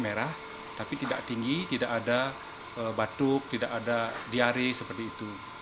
merah tapi tidak tinggi tidak ada batuk tidak ada diare seperti itu